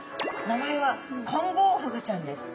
名前はコンゴウフグちゃんです。